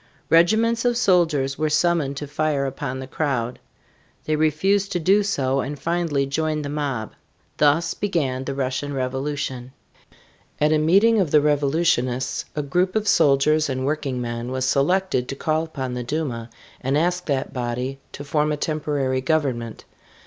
Regiments of soldiers were summoned to fire upon the crowd. They refused to do so and finally joined the mob. Thus began the Russian Revolution. At a meeting of the revolutionists a group of soldiers and working men was selected to call upon the Duma and ask that body to form a temporary government.